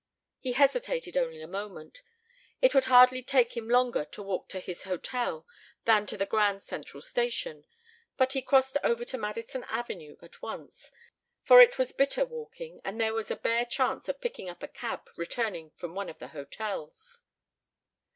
He hesitated only a moment: it would hardly take him longer to walk to his hotel than to the Grand Central Station, but he crossed over to Madison Avenue at once, for it was bitter walking and there was a bare chance of picking up a cab returning from one of the hotels.